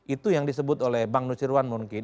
itu yang disebut oleh bang nusirwan mungkin